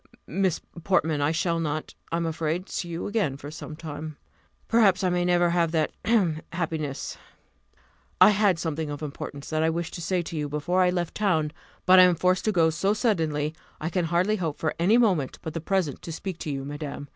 "Miss Portman, I shall not, I am afraid, see you again for some time; perhaps I may never have that hem! happiness. I had something of importance that I wished to say to you before I left town; but I am forced to go so suddenly, I can hardly hope for any moment but the present to speak to you, madam.